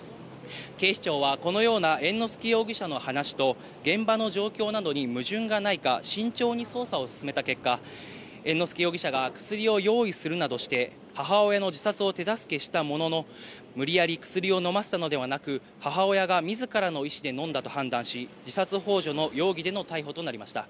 警視庁はこのような猿之助容疑者の話と現場の状況などに矛盾がないか慎重に捜査を進めた結果、猿之助容疑者が薬を用意するなどして、母親の自殺を手助けしたものの、無理やり薬を飲ませたのではなく、母親が自らの意思で飲んだと判断し、自殺ほう助の容疑での逮捕となりました。